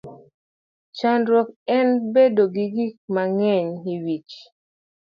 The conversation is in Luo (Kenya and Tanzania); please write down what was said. Chandruok en bedo gi gik mang'eny e wich.